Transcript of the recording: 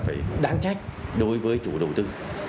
phải đáng trách đối với chủ đầu tư